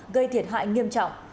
gây thiệt hại nghiêm trọng